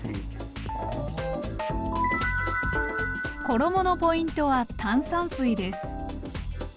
衣のポイントは炭酸水です。